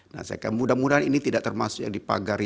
nah saya kira mudah mudahan ini tidak termasuk yang dipagari